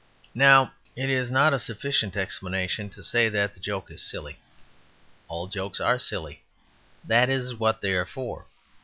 Now, it is not a sufficient explanation to say that the joke is silly. All jokes are silly; that is what they are for.